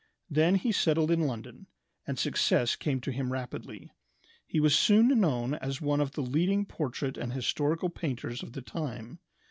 Then he settled in London, and success came to him rapidly. He was soon known as one of the leading portrait and historical painters of the time.